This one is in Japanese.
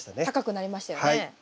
高くなりましたよね。